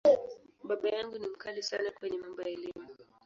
Baba yangu ni ‘mkali’ sana kwenye mambo ya Elimu.